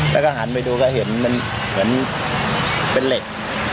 แล้วก็หันไปดูก็เห็นมันเหมือนเป็นเหล็ก